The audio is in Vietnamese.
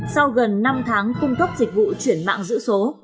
sau gần năm tháng cung cấp dịch vụ chuyển mạng giữ số